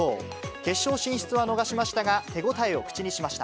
決勝進出は逃しましたが、手応えを口にしました。